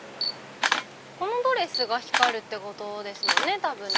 このドレスが光るってことですもんね多分ね。